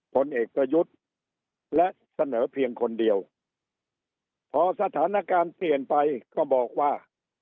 ผลเอกประยุทธ์และเสนอเพียงคนเดียวพอสถานการณ์เปลี่ยนไปก็บอกว่า